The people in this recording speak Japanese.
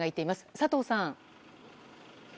佐藤さん。